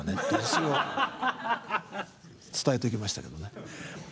それを伝えておきましたけどね。